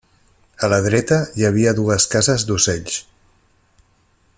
A la dreta hi havia dues cases d'ocells.